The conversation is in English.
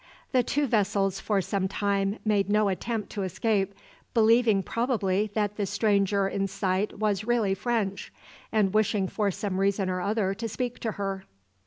The two vessels for some time made no attempt to escape, believing probably that the stranger in sight was really French, and wishing for some reason or other to speak her.